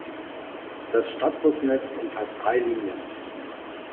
Das Stadtbusnetz umfasst drei Linien.